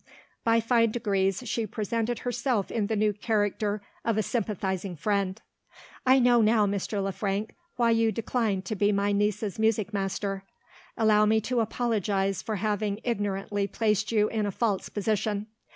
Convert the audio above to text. By fine degrees, she presented herself in the new character of a sympathising friend. "I know now, Mr. Le Frank, why you declined to be my niece's music master. Allow me to apologise for having ignorantly placed you in a false position.